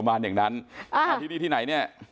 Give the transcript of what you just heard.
ประมาณอย่างนั้นที่นี่ที่ไหนเนี่ย